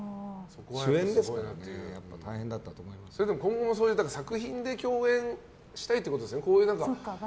主演ですから今後、作品で共演したいっていうことですね。